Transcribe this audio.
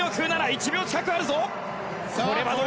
１秒近くあるぞ。